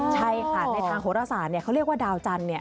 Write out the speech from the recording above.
ใช่ค่ะในทางโหรศาสตร์เขาเรียกว่าดาวจันทร์